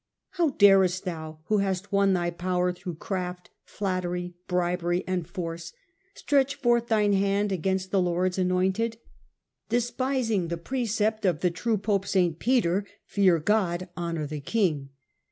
How darest bhou, who hast won thy power through craft, flattery, bribery, and force, stretch forth tbine hand against the Lord's anointed, despising the precept of the true pope, St. Peter :" Fear God, honour the king